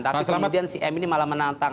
tapi selama ini si m ini malah menantang